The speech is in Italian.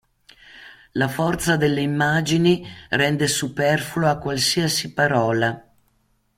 La forza delle immagini rende superflua qualsiasi parola.